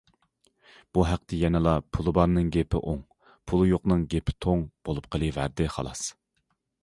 بۇ ھەقتە يەنىلا« پۇلى بارنىڭ گېپى ئوڭ، پۇلى يوقنىڭ گېپى توڭ» بولۇپ قىلىۋەردى خالاس.